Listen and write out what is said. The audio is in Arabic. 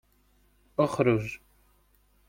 اخرج!